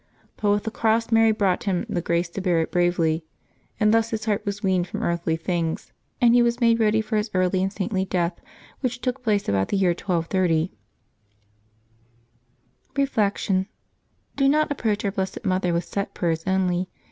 But with the cross Marj brought him the grace to bear it bravely, and thus his heart was weaned from earthly things, and he was made ready for his early and saintly death, which took place about the year 1230. Reflection. — Do not approach our Blessed Mother with set prayers only.